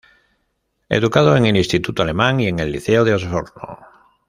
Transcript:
Educado en el Instituto Alemán y en el Liceo de Osorno.